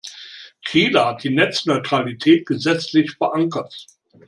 Chile hat die Netzneutralität gesetzlich verankert.